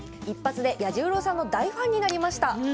一発で彌十郎さんの大ファンになりました。